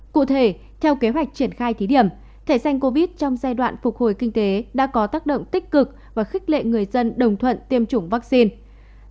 cụ thể theo kế hoạch triển khai thí điểm thẻ xanh covid trong giai đoạn phục hồi kinh tế đã có tác động tích cực và khích lệ người dân đồng thuận tiêm chủng vaccine